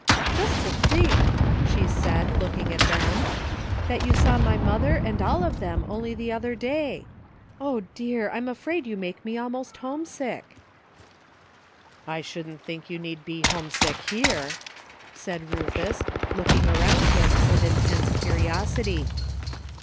''Just to think," she said, looking at them, "that you saw my mother and all of them only the other day. O, dear ! I'm afraid you make me almost homesick." "I shouldn't think you need be homesick here," said Rufus, looking around him with intense curiosity.